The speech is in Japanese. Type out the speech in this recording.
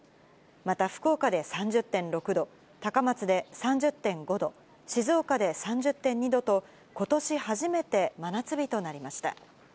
また福岡で３０．６度、高松で３０．５度、静岡で３０．２度と、ことし初めて真夏日となりました。